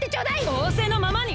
おおせのままに！